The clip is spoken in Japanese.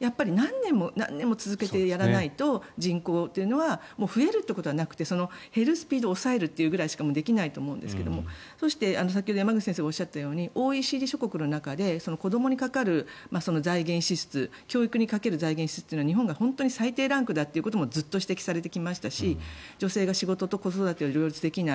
何年も続けてやらないと人口っていうのは増えるっていうことはなくて減るスピードを抑えるぐらいしかできないと思うんですが先ほど山口先生がおっしゃったようにＯＥＣＤ諸国の中で子どもにかかる財源支出教育にかける財源支出は日本は本当に最低ランクだと指摘されてきましたし女性が仕事と育児を両立できない